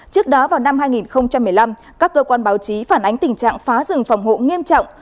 trước đó vào năm hai nghìn một mươi năm các cơ quan báo chí phản ánh tình trạng phá rừng phòng hộ nghiêm trọng